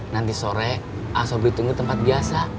nanti sore asobri tunggu tempat biasa